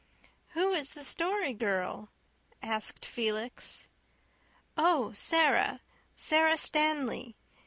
"Who is the Story Girl?" asked Felix. "Oh, Sara Sara Stanley.